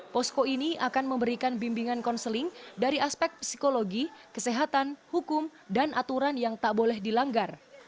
posko ini akan memberikan bimbingan konseling dari aspek psikologi kesehatan hukum dan aturan yang tak boleh dilanggar